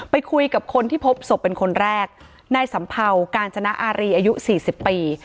ไปคุยกับคนที่พบศพเป็นคนแรกนายสัมเภากาญจนาอารีอายุสี่สิบปี